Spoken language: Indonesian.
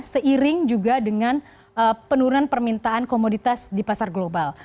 seiring juga dengan penurunan permintaan komoditas di pasar global